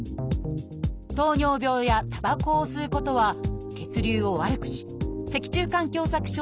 「糖尿病」や「たばこを吸うこと」は血流を悪くし脊柱管狭窄症になりやすいことが分かっています。